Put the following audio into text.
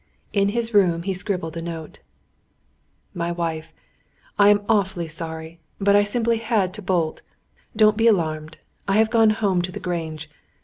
In his room he scribbled a note. "My wife I am awfully sorry, but I simply had to bolt. Don't be alarmed. I have gone home to the Grange.